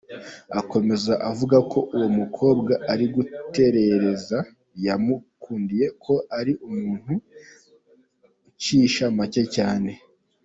Akomeza avuga ko uwo mukobwa ari gutereza yamukundiye ko ari umuntu ucisha make cyane.